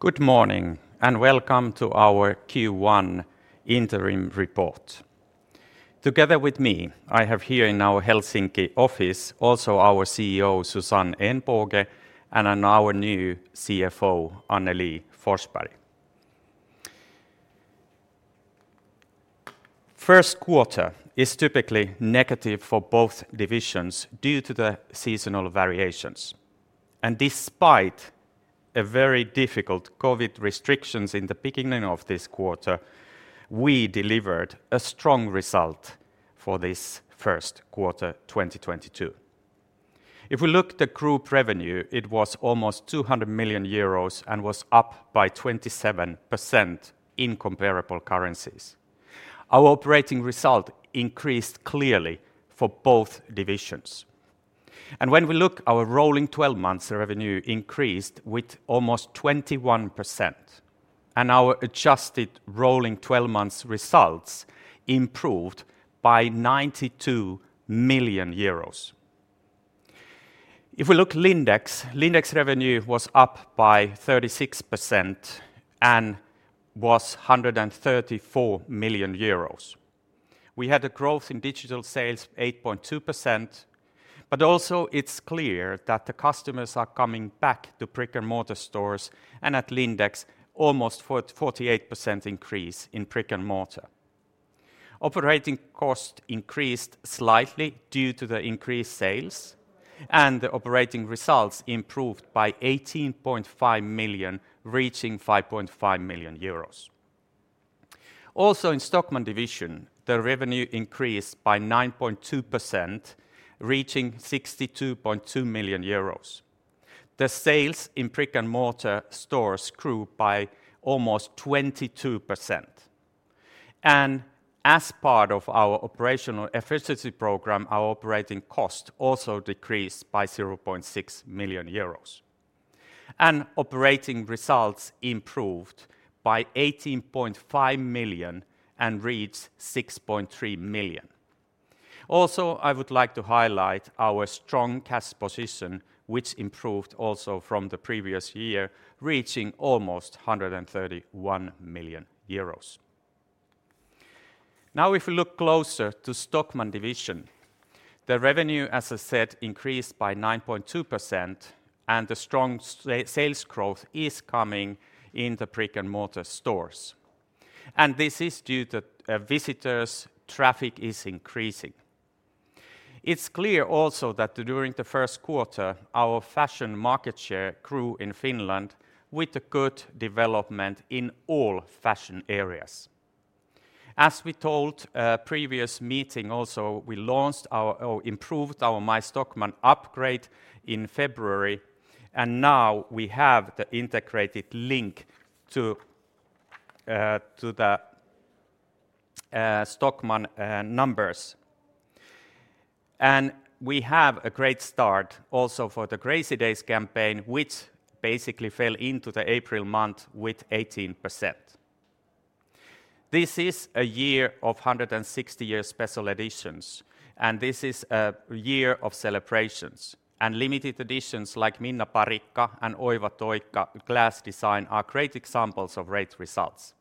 Good morning, and welcome to our Q1 interim report. Together with me, I have here in our Helsinki office also our CEO, Susanne Ehnbåge, and our new CFO, Annelie Forsberg. Q1 is typically negative for both divisions due to the seasonal variations, and despite a very difficult COVID restrictions in the beginning of this quarter, we delivered a strong result for this Q1 2022. If we look at the group revenue, it was almost 200 million euros and was up by 27% in comparable currencies. Our operating result increased clearly for both divisions. When we look at our rolling 12 months revenue increased with almost 21%, and our adjusted rolling 12 months results improved by 92 million euros. If we look at Lindex revenue was up by 36% and was 134 million euros. We had a growth in digital sales 8.2%, but also it's clear that the customers are coming back to brick-and-mortar stores, and at Lindex, almost 48% increase in brick-and-mortar. Operating cost increased slightly due to the increased sales, and the operating results improved by 18.5 million, reaching 5.5 million euros. In Stockmann Division, the revenue increased by 9.2%, reaching 62.2 million euros. The sales in brick-and-mortar stores grew by almost 22%. As part of our operational efficiency program, our operating cost also decreased by 0.6 million euros. Operating results improved by 18.5 million and reached 6.3 million. I would like to highlight our strong cash position, which improved also from the previous year, reaching almost 131 million euros. Now if we look closer to Stockmann Division, the revenue, as I said, increased by 9.2%, and the strong sales growth is coming in the brick-and-mortar stores, and this is due to visitor traffic increasing. It's clear also that during the first quarter, our fashion market share grew in Finland with a good development in all fashion areas. As we told previous meeting also, we launched or improved our MyStockmann upgrade in February, and now we have the integrated link to the Stockmann numbers. We have a great start also for the Crazy Days campaign, which basically fell into the April month with 18%. This is a year of 160-year special editions, and this is a year of celebrations. Limited editions like Minna Parikka and Oiva Toikka glass design are great examples of great results.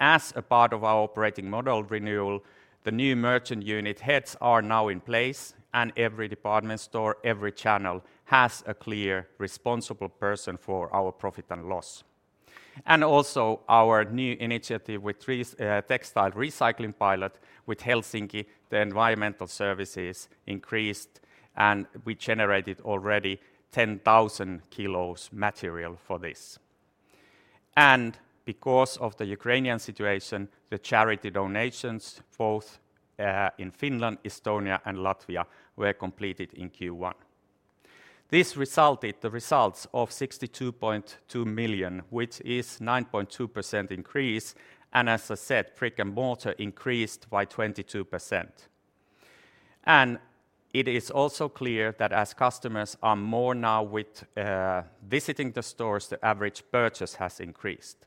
As a part of our operating model renewal, the new merchant unit heads are now in place, and every department store, every channel, has a clear responsible person for our profit and loss. Also, our new initiative with textile recycling pilot with Helsinki, the environmental services increased, and we generated already 10,000 kilos material for this. Because of the Ukrainian situation, the charity donations both in Finland, Estonia, and Latvia were completed in Q1. This resulted the results of 62.2 million, which is 9.2% increase, and as I said, brick-and-mortar increased by 22%. It is also clear that as customers are more now with visiting the stores, the average purchase has increased.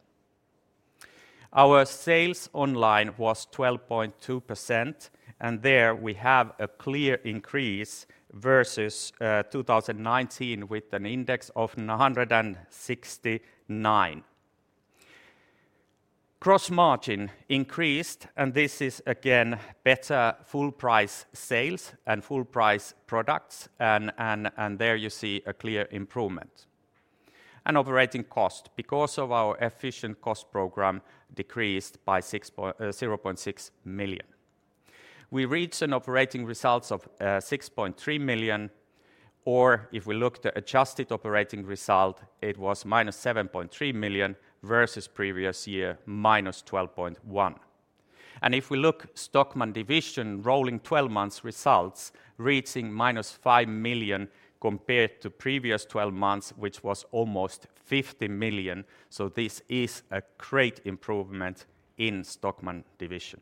Our sales online was 12.2%, and there we have a clear increase versus 2019 with an index of 169. Gross margin increased, and this is again better full price sales and full price products and there you see a clear improvement. Operating cost, because of our efficient cost program, decreased by 0.6 million. We reached an operating result of 6.3 million, or if we look to adjusted operating result, it was -7.3 million versus previous year, -12.1 million. If we look Stockmann Division rolling 12 months results, reaching -5 million compared to previous 12 months, which was almost 50 million, so this is a great improvement in Stockmann Division.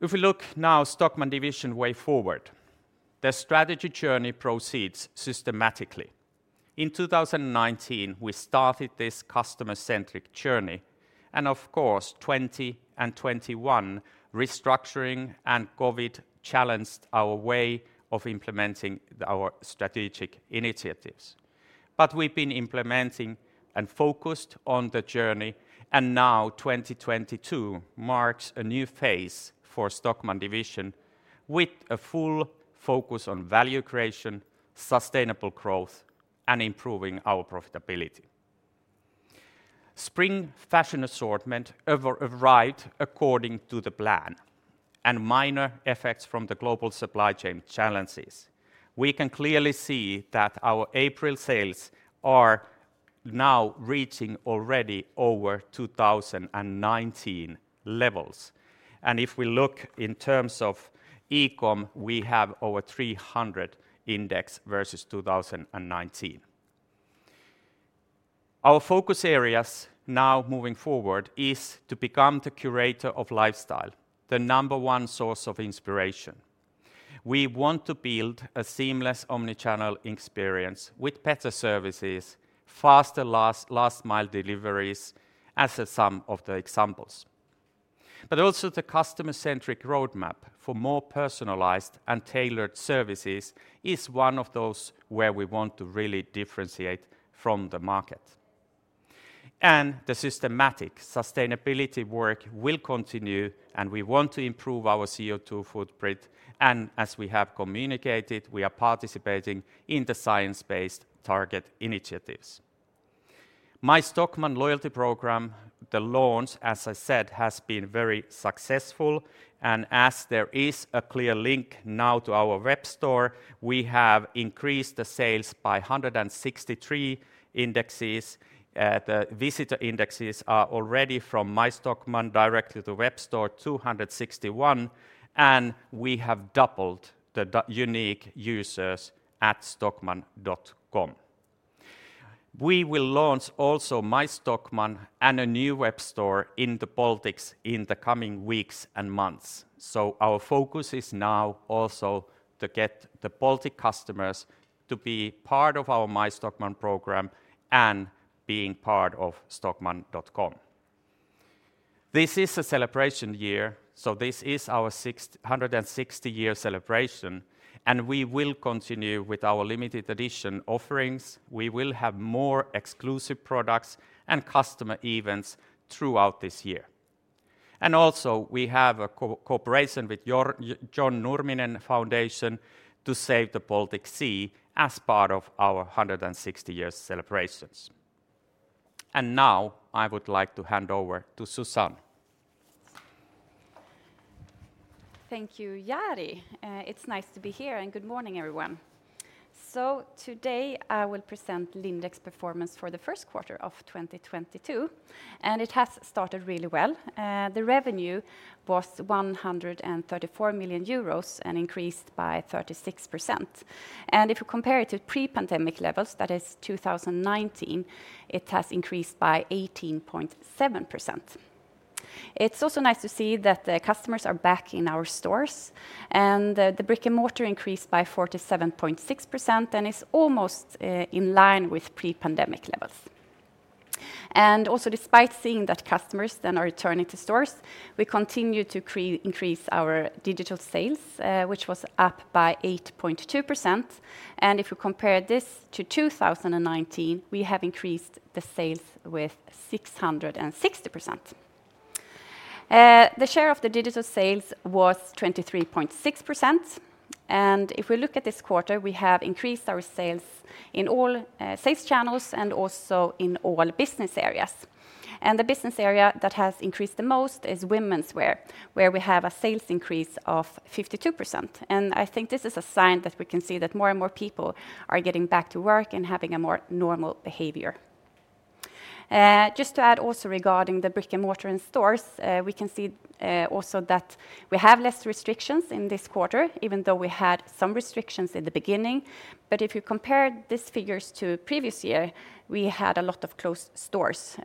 If we look now Stockmann Division way forward, the strategy journey proceeds systematically. In 2019, we started this customer-centric journey. Of course, 2020 and 2021 restructuring and COVID challenged our way of implementing our strategic initiatives. We've been implementing and focused on the journey, and now 2022 marks a new phase for Stockmann Division with a full focus on value creation, sustainable growth, and improving our profitability. Spring fashion assortment overview arrived according to the plan, and minor effects from the global supply chain challenges. We can clearly see that our April sales are now reaching already over 2019 levels. If we look in terms of e-com, we have over 300 index versus 2019. Our focus areas now moving forward is to become the curator of lifestyle, the number one source of inspiration. We want to build a seamless omni-channel experience with better services, faster last mile deliveries as some of the examples. The customer-centric roadmap for more personalized and tailored services is one of those where we want to really differentiate from the market. The systematic sustainability work will continue, and we want to improve our CO2 footprint. As we have communicated, we are participating in the Science Based Targets initiatives. MyStockmann loyalty program, the launch, as I said, has been very successful. As there is a clear link now to our web store, we have increased the sales by 163 indexes. The visitor indexes are already from MyStockmann directly to web store 261, and we have doubled the unique users at stockmann.com. We will launch also MyStockmann and a new web store in the Baltics in the coming weeks and months. Our focus is now also to get the Baltic customers to be part of our MyStockmann program and being part of stockmann.com. This is a celebration year, so this is our 160-year celebration, and we will continue with our limited edition offerings. We will have more exclusive products and customer events throughout this year. Also, we have a cooperation with John Nurminen Foundation to save the Baltic Sea as part of our 160-year celebrations. Now, I would like to hand over to Susanne. Thank you, Jari. It's nice to be here, and good morning, everyone. Today, I will present Lindex performance for the Q1 of 2022, and it has started really well. The revenue was 134 million euros and increased by 36%. If you compare it to pre-pandemic levels, that is 2019, it has increased by 18.7%. It's also nice to see that the customers are back in our stores, and the brick-and-mortar increased by 47.6% and is almost in line with pre-pandemic levels. Despite seeing that customers then are returning to stores, we continue to increase our digital sales, which was up by 8.2%. If you compare this to 2019, we have increased the sales with 660%. The share of the digital sales was 23.6%, and if we look at this quarter, we have increased our sales in all sales channels and also in all business areas. The business area that has increased the most is womenswear, where we have a sales increase of 52%. I think this is a sign that we can see that more and more people are getting back to work and having a more normal behavior. Just to add also regarding the brick-and-mortar in stores, we can see also that we have less restrictions in this quarter, even though we had some restrictions in the beginning. If you compare these figures to previous year, we had a lot of closed stores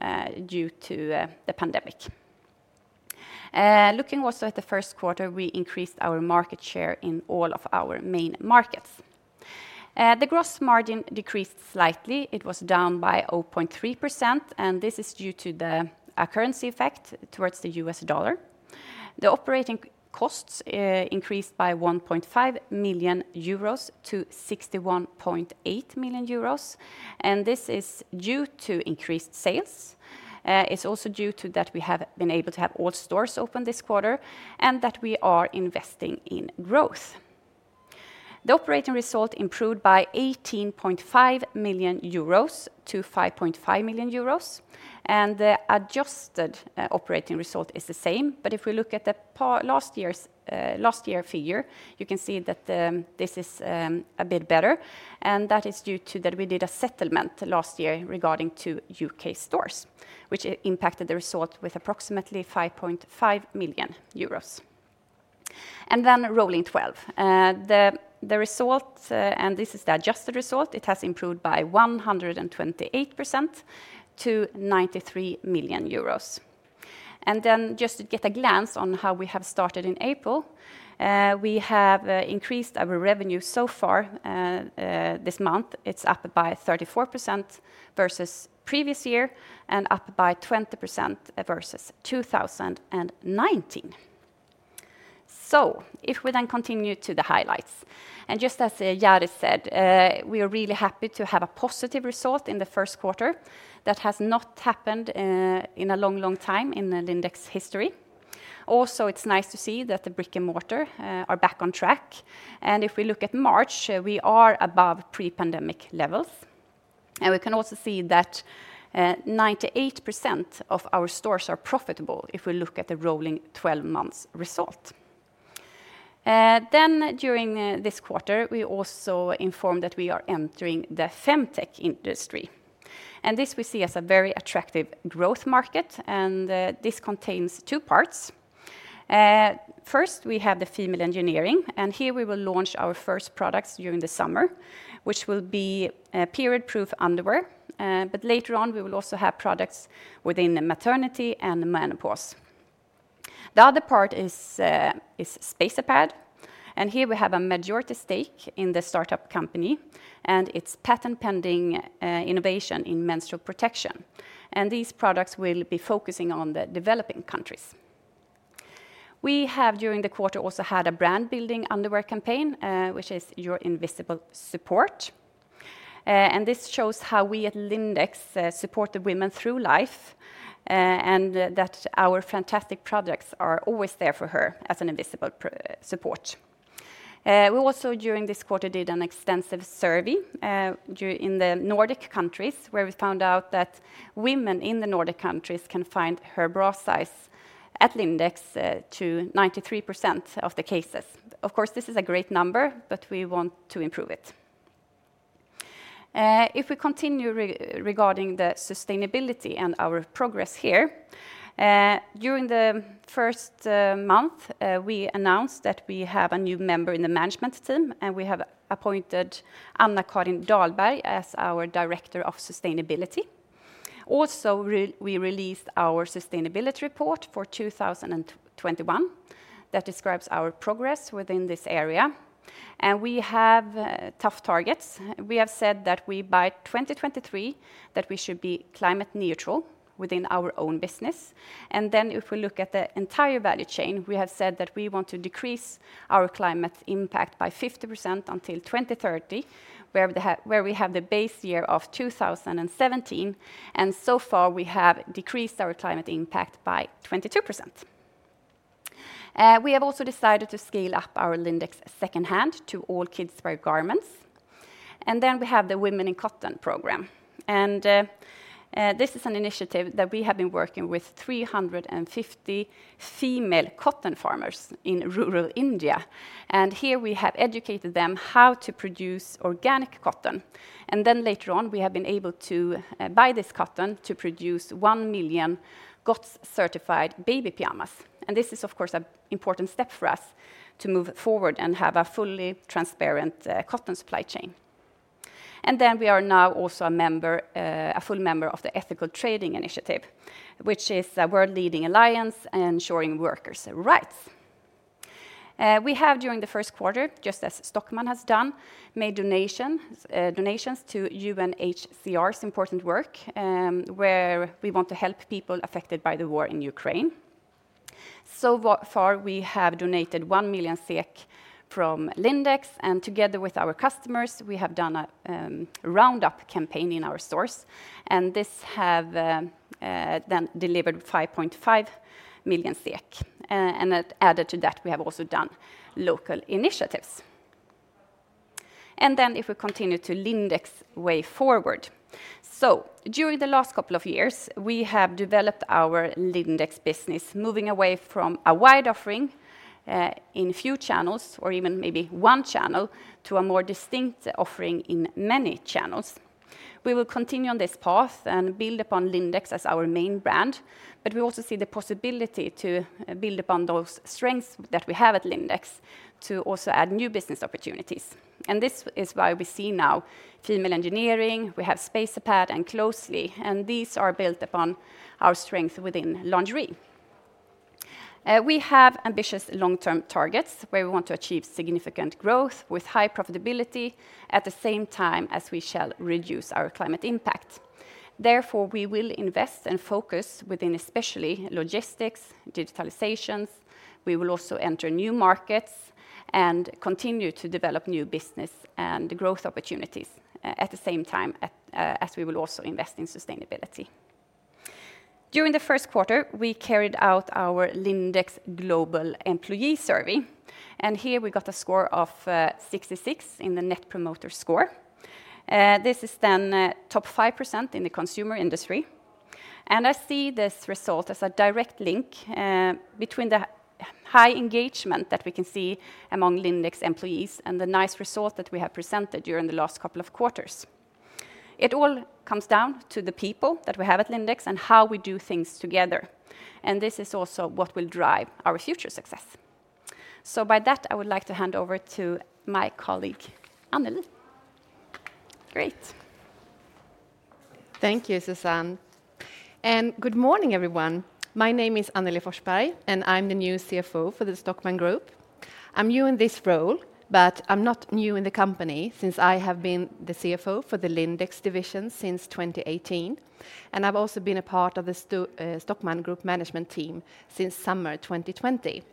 due to the pandemic. Looking also at the Q1, we increased our market share in all of our main markets. The gross margin decreased slightly. It was down by 0.3%, and this is due to a currency effect towards the U.S. dollar. The operating costs increased by 1.5 million euros to 61.8 million euros, and this is due to increased sales. It's also due to that we have been able to have all stores open this quarter and that we are investing in growth. The operating result improved by 18.5 million euros to 5.5 million euros, and the adjusted operating result is the same. If we look at last year's figure, you can see that this is a bit better, and that is due to that we did a settlement last year regarding two UK stores, which impacted the result with approximately 5.5 million euros. Rolling 12, the result, and this is the adjusted result, it has improved by 128% to 93 million euros. Just to get a glance on how we have started in April, we have increased our revenue so far this month. It's up by 34% versus previous year and up by 20% versus 2019. If we continue to the highlights, just as Jari Latvanen said, we are really happy to have a positive result in the Q1. That has not happened in a long, long time in the Lindex history. Also, it's nice to see that the brick-and-mortar are back on track. If we look at March, we are above pre-pandemic levels. We can also see that 98% of our stores are profitable if we look at the rolling twelve months result. Then during this quarter, we also informed that we are entering the FemTech industry, and this we see as a very attractive growth market, and this contains two parts. First, we have the Female Engineering, and here we will launch our first products during the summer, which will be period-proof underwear. But later on we will also have products within the maternity and the menopause. The other part is Spacerpad, and here we have a majority stake in the start-up company and its patent-pending innovation in menstrual protection, and these products will be focusing on the developing countries. We have during the quarter also had a brand-building underwear campaign, which is Your Invisible Support. This shows how we at Lindex support the women through life, and that our fantastic products are always there for her as an invisible support. We also during this quarter did an extensive survey in the Nordic countries where we found out that women in the Nordic countries can find her bra size at Lindex to 93% of the cases. Of course, this is a great number, but we want to improve it. If we continue regarding the sustainability and our progress here, during the first month, we announced that we have a new member in the management team, and we have appointed Anna-Karin Dahlberg as our Director of Sustainability. Also, we released our sustainability report for 2021 that describes our progress within this area, and we have tough targets. We have said that we, by 2023, that we should be climate neutral within our own business. If we look at the entire value chain, we have said that we want to decrease our climate impact by 50% until 2030, where we have the base year of 2017, and so far we have decreased our climate impact by 22%. We have also decided to scale up our Lindex secondhand to all kids wear garments. We have the Women in Cotton program, and this is an initiative that we have been working with 350 female cotton farmers in rural India, and here we have educated them how to produce organic cotton. Later on, we have been able to buy this cotton to produce 1 million GOTS-certified baby pajamas. This is, of course, an important step for us to move forward and have a fully transparent cotton supply chain. We are now also a member, a full member of the Ethical Trading Initiative, which is a world-leading alliance ensuring workers' rights. We have during the Q1, just as Stockmann has done, made donations to UNHCR's important work, where we want to help people affected by the war in Ukraine. Far we have donated 1 million from Lindex, and together with our customers, we have done a round-up campaign in our stores, and this have then delivered 5.5 million SEK. Added to that, we have also done local initiatives. If we continue to Lindex way forward. During the last couple of years, we have developed our Lindex business, moving away from a wide offering in few channels or even maybe one channel to a more distinct offering in many channels. We will continue on this path and build upon Lindex as our main brand, but we also see the possibility to build upon those strengths that we have at Lindex to also add new business opportunities. This is why we see now Female Engineering, we have Space pad and Closely, and these are built upon our strength within lingerie. We have ambitious long-term targets where we want to achieve significant growth with high profitability at the same time as we shall reduce our climate impact. Therefore, we will invest and focus within especially logistics, digitalization. We will also enter new markets and continue to develop new business and growth opportunities at the same time as we will also invest in sustainability. During the Q1, we carried out our Lindex global employee survey, and here we got a score of 66 in the Net Promoter Score. This is then top 5% in the consumer industry, and I see this result as a direct link between the high engagement that we can see among Lindex employees and the nice result that we have presented during the last couple of quarters. It all comes down to the people that we have at Lindex and how we do things together, and this is also what will drive our future success. By that, I would like to hand over to my colleague, Annelie. Great. Thank you, Susanne. Good morning, everyone. My name is Annelie Forsberg, and I'm the new CFO for the Stockmann Group. I'm new in this role, but I'm not new in the company since I have been the CFO for the Lindex division since 2018, and I've also been a part of the Stockmann Group management team since summer 2020.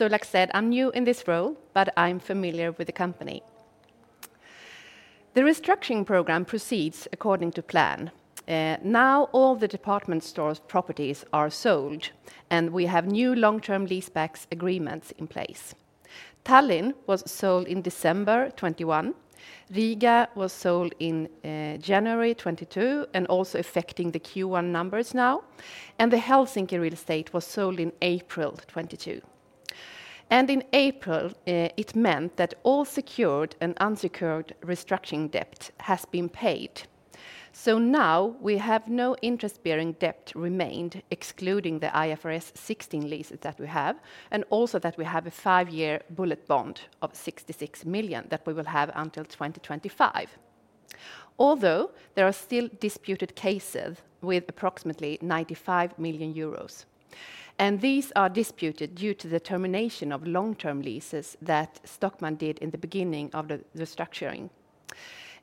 Like said, I'm new in this role, but I'm familiar with the company. The restructuring program proceeds according to plan. Now all the department store's properties are sold, and we have new long-term leaseback agreements in place. Tallinn was sold in December 2021. Riga was sold in January 2022 and also affecting the Q1 numbers now. The Helsinki real estate was sold in April 2022. In April, it meant that all secured and unsecured restructuring debt has been paid. Now we have no interest-bearing debt remained excluding the IFRS 16 leases that we have, and also that we have a five-year bullet bond of 66 million that we will have until 2025. There are still disputed cases with approximately 95 million euros, and these are disputed due to the termination of long-term leases that Stockmann did in the beginning of the structuring.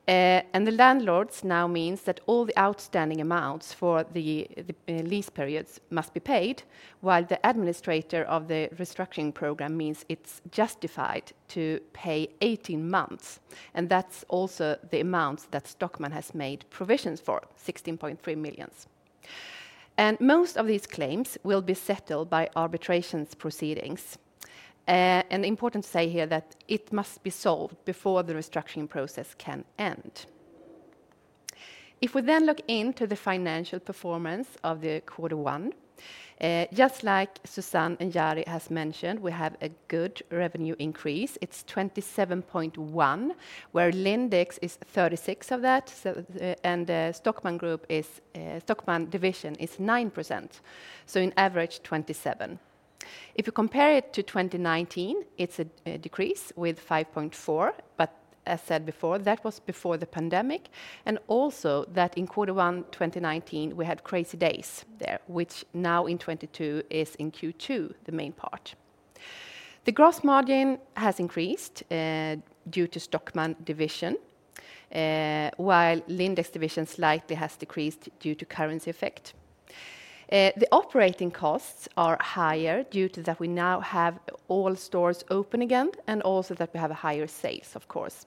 The landlords now mean that all the outstanding amounts for the lease periods must be paid while the administrator of the restructuring program means it's justified to pay 18 months, and that's also the amount that Stockmann has made provisions for, 16.3 million. Most of these claims will be settled by arbitration proceedings. Important to say here that it must be solved before the restructuring process can end. If we look into the financial performance of quarter one, just like Susanne and Jari has mentioned, we have a good revenue increase. It's 27.1%, where Lindex is 36% of that, Stockmann Group is Stockmann division is 9%. In average, 27%. If you compare it to 2019, it's a decrease with 5.4%. As said before, that was before the pandemic, and also that in quarter one 2019, we had Crazy Days there, which now in 2022 is in Q2, the main part. The gross margin has increased due to Stockmann division, while Lindex division slightly has decreased due to currency effect. The operating costs are higher due to that we now have all stores open again, and also that we have a higher sales, of course.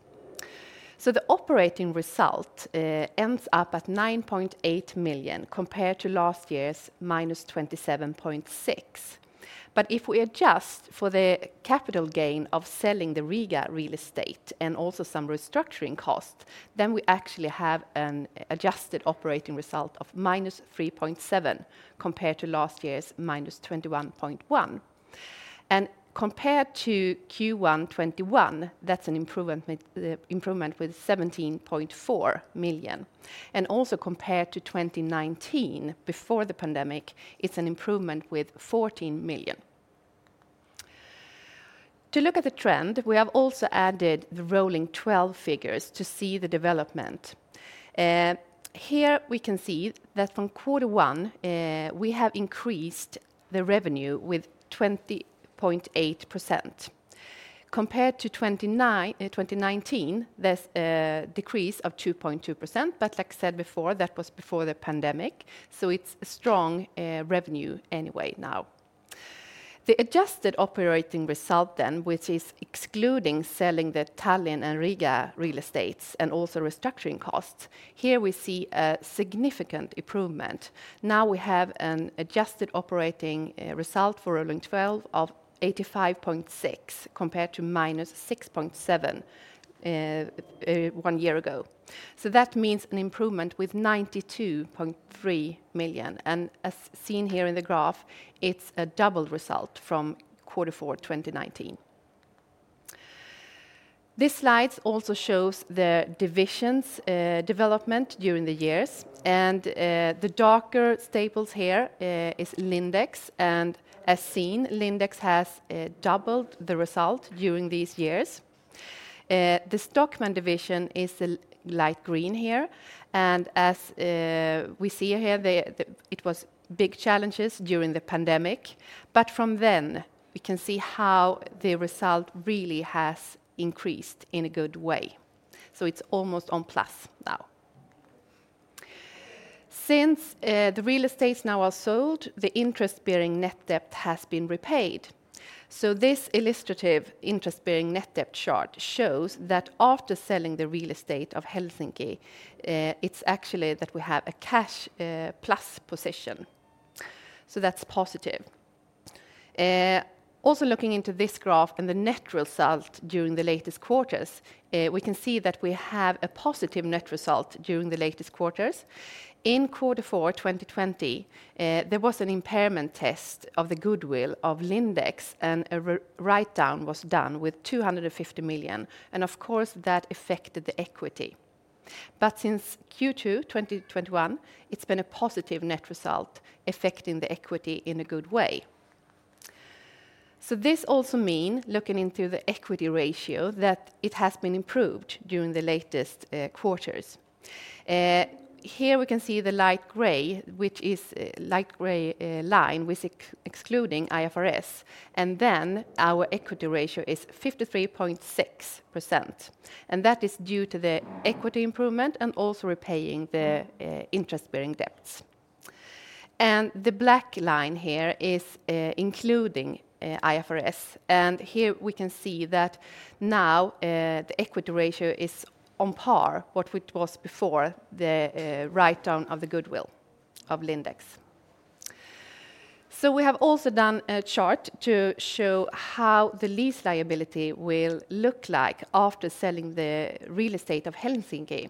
The operating result ends up at 9.8 million compared to last year's -27.6 million. If we adjust for the capital gain of selling the Riga real estate and also some restructuring costs, then we actually have an adjusted operating result of -3.7 million compared to last year's -21.1 million. Compared to Q1 2021, that's an improvement with 17.4 million. Also compared to 2019 before the pandemic, it's an improvement with 14 million. To look at the trend, we have also added the rolling twelve figures to see the development. Here we can see that from quarter one, we have increased the revenue with 20.8%. Compared to 2019, there's a decrease of 2.2%, but like I said before, that was before the pandemic, so it's strong revenue anyway now. The adjusted operating result then, which is excluding selling the Tallinn and Riga real estates and also restructuring costs, here we see a significant improvement. Now we have an adjusted operating result for rolling twelve of 85.6 million compared to -6.7 million one year ago. That means an improvement with 92.3 million. As seen here in the graph, it's a double result from Q4 2019. This slide also shows the divisions development during the years. The darker staples here is Lindex. As seen, Lindex has doubled the result during these years. The Stockmann Division is light green here. As we see here, it was big challenges during the pandemic. From then, we can see how the result really has increased in a good way. It's almost on plus now. Since the real estates now are sold, the interest-bearing net debt has been repaid. This illustrative interest-bearing net debt chart shows that after selling the real estate of Helsinki, it's actually that we have a cash plus position. That's positive. Also looking into this graph and the net result during the latest quarters, we can see that we have a positive net result during the latest quarters. In Q4, 2020, there was an impairment test of the goodwill of Lindex, and a write-down was done with 250 million, and of course, that affected the equity. Since Q2, 2021, it's been a positive net result affecting the equity in a good way. This also mean, looking into the equity ratio, that it has been improved during the latest quarters. Here we can see the light gray line excluding IFRS, and then our equity ratio is 53.6%. That is due to the equity improvement and also repaying the interest-bearing debts. The black line here is including IFRS. Here we can see that now the equity ratio is on par what it was before the write-down of the goodwill of Lindex. We have also done a chart to show how the lease liability will look like after selling the real estate of Helsinki.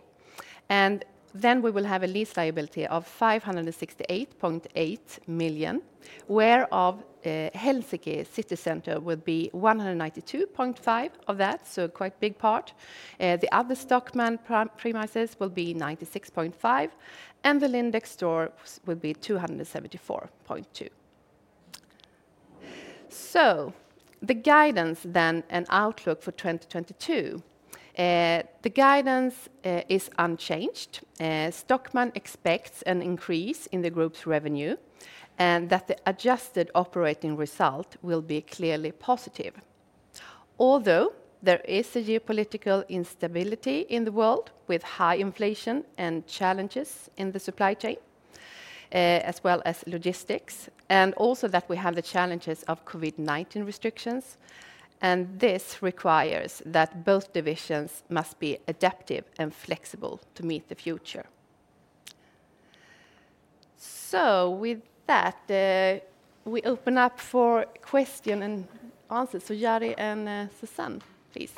Then we will have a lease liability of 568.8 million, whereof Helsinki City Center will be 192.5 million of that, so a quite big part. The other Stockmann premises will be 96.5 million, and the Lindex stores will be 274.2 million. The guidance then and outlook for 2022. The guidance is unchanged. Stockmann expects an increase in the group's revenue, and that the adjusted operating result will be clearly positive. Although there is a geopolitical instability in the world with high inflation and challenges in the supply chain, as well as logistics, and also that we have the challenges of COVID-19 restrictions, and this requires that both divisions must be adaptive and flexible to meet the future. With that, we open up for question and answers. Jari and Susanne, please.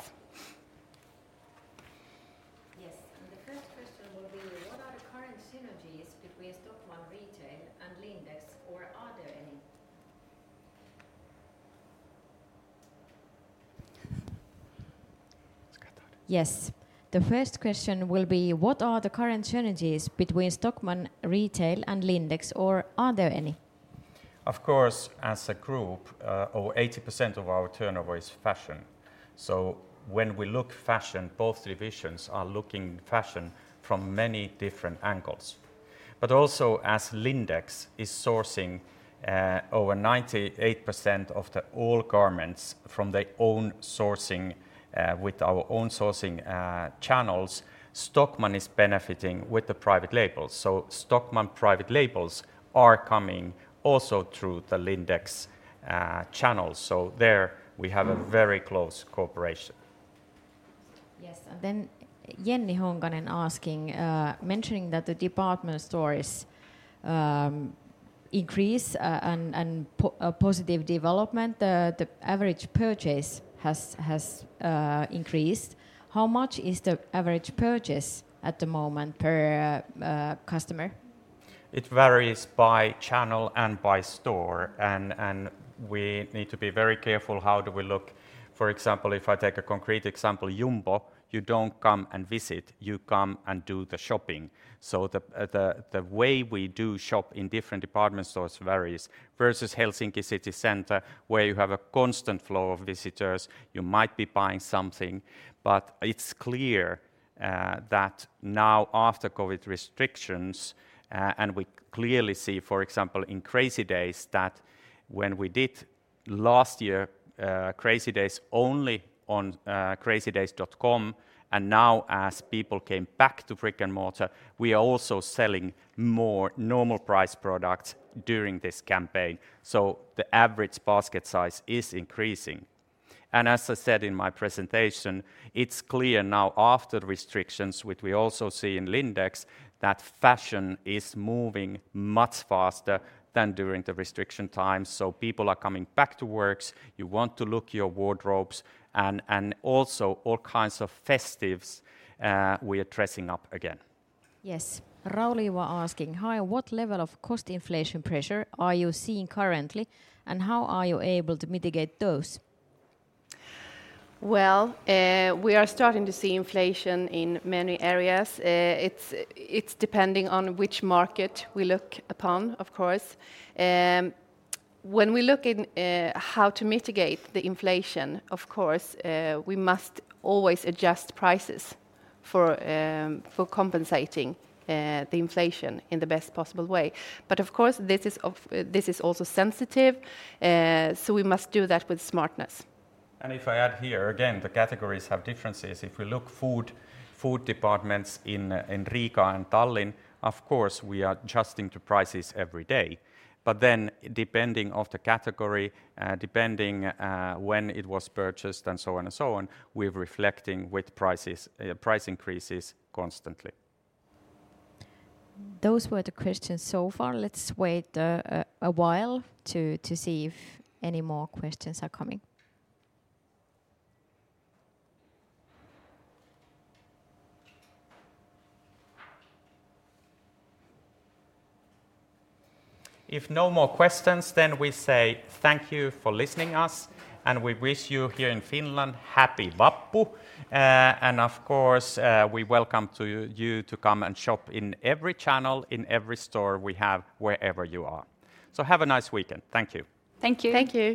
Yes, the first question will be: What are the current synergies between Stockmann Retail and Lindex, or are there any? It's good though. Yes. The first question will be, What are the current synergies between Stockmann Retail and Lindex, or are there any? Of course, as a group, over 80% of our turnover is fashion. When we look fashion, both divisions are looking fashion from many different angles. As Lindex is sourcing, over 98% of all the garments from their own sourcing, with our own sourcing channels, Stockmann is benefiting with the private labels. Stockmann private labels are coming also through the Lindex channels. There we have a very close cooperation. Yes. Jenni Honkanen asking, mentioning that the department stores increase and a positive development, the average purchase has increased. How much is the average purchase at the moment per customer? It varies by channel and by store, and we need to be very careful how do we look. For example, if I take a concrete example, Jumbo, you don't come and visit, you come and do the shopping. The way we do shop in different department stores varies, versus Helsinki City Center, where you have a constant flow of visitors, you might be buying something. But it's clear that now after COVID restrictions, and we clearly see, for example, in Crazy Days that when we did last year, Crazy Days only on crazydays.com, and now as people came back to brick-and-mortar, we are also selling more normal price products during this campaign, so the average basket size is increasing. As I said in my presentation, it's clear now after the restrictions, which we also see in Lindex, that fashion is moving much faster than during the restriction times. People are coming back to work. You want to look in your wardrobes, and also all kinds of festivities. We are dressing up again. Yes. Raul Iwa asking: Hi, what level of cost inflation pressure are you seeing currently, and how are you able to mitigate those? Well, we are starting to see inflation in many areas. It's depending on which market we look upon, of course. When we look in how to mitigate the inflation, of course, we must always adjust prices for compensating the inflation in the best possible way. Of course, this is also sensitive, so we must do that with smartness. If I add here, again, the categories have differences. If we look at food departments in Riga and Tallinn, of course, we are adjusting to prices every day. Depending on the category, depending when it was purchased and so on, we're reflecting with prices, price increases constantly. Those were the questions so far. Let's wait a while to see if any more questions are coming. If no more questions, then we say thank you for listening us, and we wish you here in Finland Happy Vappu. And of course, we welcome you to come and shop in every channel, in every store we have, wherever you are. Have a nice weekend. Thank you. Thank you. Thank you.